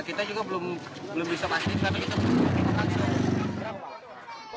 kita juga belum bisa pastikan